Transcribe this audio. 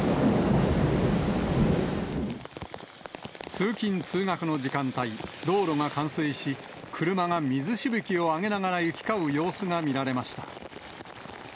通勤・通学の時間帯、道路が冠水し、車が水しぶきを上げながら行き交う様子が見られました。